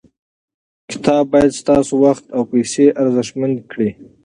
کتاب باید ستاسو وخت او پیسې ارزښتمن کړي.